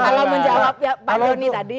kalau menjawab pak doni tadi